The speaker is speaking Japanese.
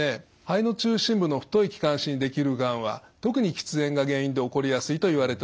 肺の中心部の太い気管支にできるがんは特に喫煙が原因で起こりやすいといわれております。